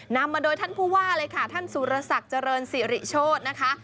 นำมาโดยท่านผู้ว่าเลยค่ะท่านสุรศักดิ์เจริญสิริโชธนะคะ